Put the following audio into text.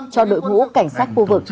cho đội ngũ cảnh sát khu vực